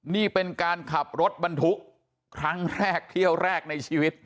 นี่เป็นการขับรถบรรทุกครั้งแรกเที่ยวแรกในชีวิต